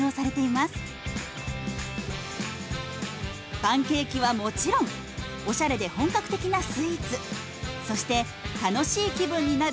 パンケーキはもちろんおしゃれで本格的なスイーツそして楽しい気分になる